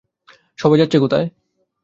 সবাই যাচ্ছে কোথায়?